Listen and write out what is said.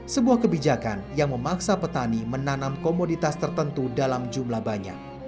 sebuah kebijakan yang memaksa petani menanam komoditas tertentu dalam jumlah banyak